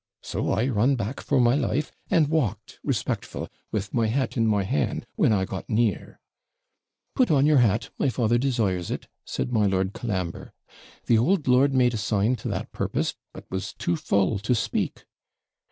So I run back for my life, and walked respectful, with my hat in my hand, when I got near. 'Put on your hat, my father desires it, says my Lord Colambre. The ould lord made a sign to that purpose, but was too full to speak.